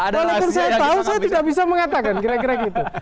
walaupun saya tahu saya tidak bisa mengatakan kira kira gitu